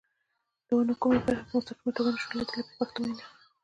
د ونو کومې برخې په مستقیمه توګه نشو لیدلای په پښتو وینا.